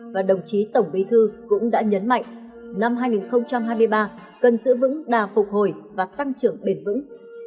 và đồng chí tổng bí thư cũng đã nhấn mạnh năm hai nghìn hai mươi ba cần giữ vững đà phục hồi và tăng trưởng bền vững